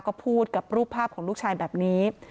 ก็พูดกับรูปภาพของลูกชายแบบนี้